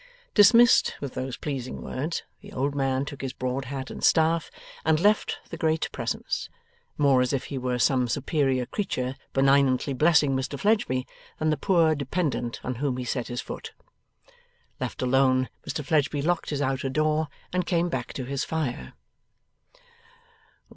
Dismissed with those pleasing words, the old man took his broad hat and staff, and left the great presence: more as if he were some superior creature benignantly blessing Mr Fledgeby, than the poor dependent on whom he set his foot. Left alone, Mr Fledgeby locked his outer door, and came back to his fire.